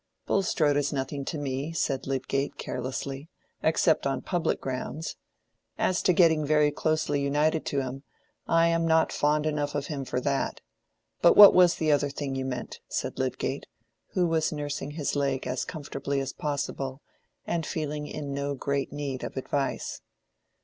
"Bulstrode is nothing to me," said Lydgate, carelessly, "except on public grounds. As to getting very closely united to him, I am not fond enough of him for that. But what was the other thing you meant?" said Lydgate, who was nursing his leg as comfortably as possible, and feeling in no great need of advice.